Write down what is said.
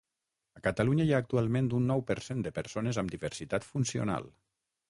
A Catalunya hi ha actualment un nou per cent de persones amb diversitat funcional.